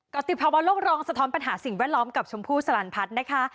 ติภาวะโลกรองสะท้อนปัญหาสิ่งแวดล้อมกับชมพู่สลันพัฒน์นะคะ